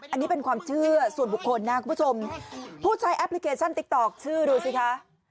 อันนี้เป็นความเชื่อส่วนบุคคลนะคุณผู้ชมผู้ใช้แอปพลิเคชันติ๊กต๊อกชื่อดูสิคะ